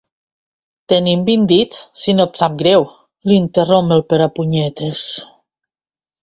Tenim vint dits, si no et sap greu —l'interromp el Perepunyetes.